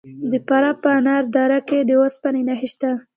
د فراه په انار دره کې د وسپنې نښې شته.